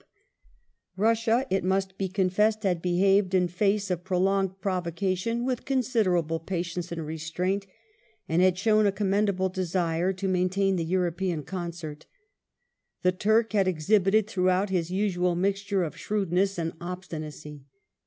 The Russia, it must be confessed, had behaved, in face of prolonged Turk?sh provocation, with considerable patience and restraint, and had War shown a commendable desire to maintain the European concert. The Turk had exhibited, throughout, his usual mixture of shrewd ness and obstinacy.